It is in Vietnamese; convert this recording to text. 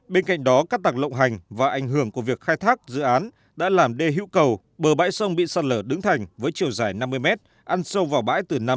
bên cạnh đó các tạc lộng hành và ảnh hưởng của việc khai thác dự án đã làm đê hữu cầu bờ bãi sông bị sạt lở đứng thành với chiều dài năm mươi mét ăn sâu vào bãi từ năm m